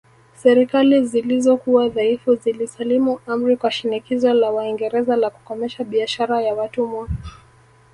Serikali zilizokuwa dhaifu zilisalimu amri kwa shinikizo la Waingereza la kukomesha biashara ya watumwa